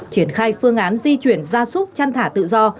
triển khai phương án di chuyển gia súc chăn thả tự do